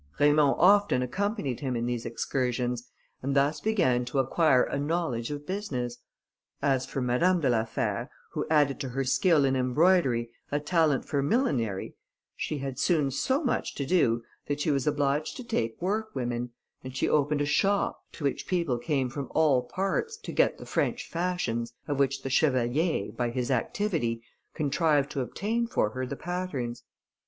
Raymond often accompanied him in these excursions, and thus began to acquire a knowledge of business. As for Madame de la Fère, who added to her skill in embroidery, a talent for millinery, she had soon so much to do that she was obliged to take work women, and she opened a shop, to which people came from all parts, to get the French fashions, of which the chevalier, by his activity, contrived to obtain for her the patterns.